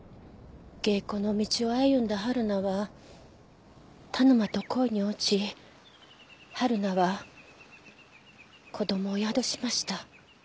芸妓の道を歩んだ春菜は田沼と恋に落ち春菜は子供を宿しました。